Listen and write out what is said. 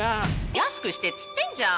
安くしてって言ってんじゃん！